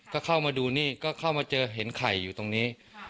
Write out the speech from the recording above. ก็เข้ามาดูนี่ก็เข้ามาเจอเห็นไข่อยู่ตรงนี้